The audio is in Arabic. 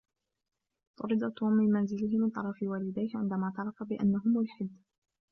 طُرد توم من منزله من طرف والديه عندما اعترف بأنه ملحد.